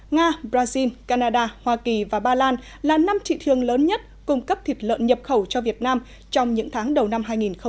nga brazil canada hoa kỳ và ba lan là năm trị thương lớn nhất cung cấp thịt lợn nhập khẩu cho việt nam trong những tháng đầu năm hai nghìn hai mươi